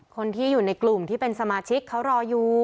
คนที่อยู่ในกลุ่มที่เป็นสมาชิกเขารออยู่